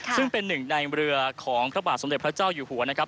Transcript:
ซึ่งเป็นหนึ่งในเรือของพระบาทสมเด็จพระเจ้าอยู่หัวนะครับ